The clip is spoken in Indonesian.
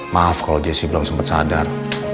maaf kalau jessy belum sempet sadar